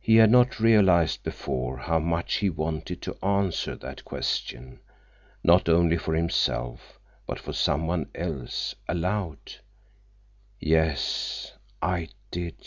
He had not realized before how much he wanted to answer that question, not only for himself, but for someone else—aloud. "Yes, I did."